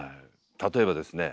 例えばですね